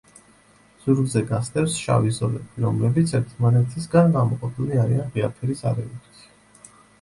ზურგზე გასდევს შავი ზოლები, რომლებიც ერთმანეთისგან გამოყოფილნი არიან ღია ფერის არეებით.